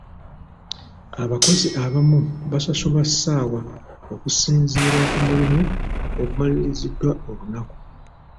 Abakozi abamu basasulwa ssaawa okusinziira ku mulimu ogumaliriziddwa olunaku.